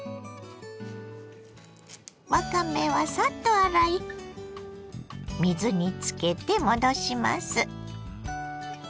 わかめはサッと洗い水につけて戻します。